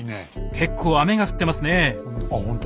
結構雨が降ってますね。